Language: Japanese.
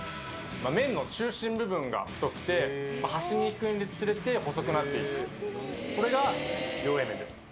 麺の中心部分が太くて、端にいくにつれて細くなっていく、これが両栄麺です。